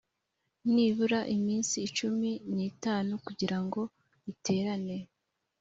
nibura iminsi cumi n itanu kugira ngo iterane